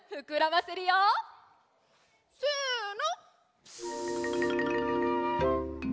せの！